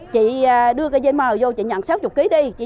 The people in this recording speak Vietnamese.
chị đưa cái dây mờ vô chị nhận sáu mươi kg đi